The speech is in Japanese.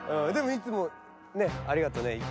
でもいつもねっありがとね。